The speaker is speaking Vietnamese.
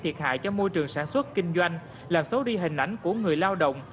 nhưng không những gây thiệt hại cho môi trường sản xuất kinh doanh làm xấu đi hình ảnh của người lao động